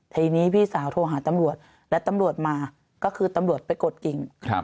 ทีนี้พี่สาวโทรหาตำรวจและตำรวจมาก็คือตำรวจไปกดกิ่ง